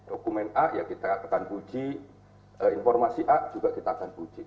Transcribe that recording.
dokumen a kita akan uji informasi a juga kita akan uji